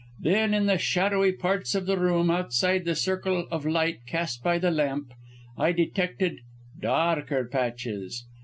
Then, in the shadowy parts of the room, outside the circle of light cast by the lamp, I detected darker patches.